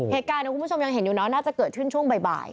เหตุการณ์ที่คุณผู้ชมยังเห็นอยู่นะว่าน่าจะเกิดขึ้นช่วงบ่าย